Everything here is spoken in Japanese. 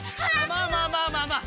まあまあまあまあまあ！